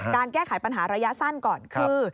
แก้ไขปัญหาระยะสั้นก่อนคือ